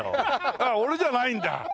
あっ俺じゃないんだ。